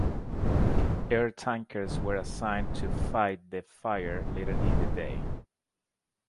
Air tankers were assigned to fight the fire later in the day.